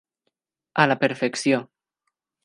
A la perfecció.